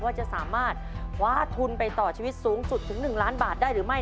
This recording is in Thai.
ว่าจะสามารถคว้าทุนไปต่อชีวิตสูงสุดถึง๑ล้านบาทได้หรือไม่